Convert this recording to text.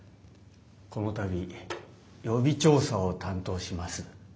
この度予備調査を担当します